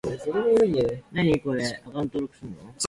An extra card was included as a promotion in an issue of GamePro.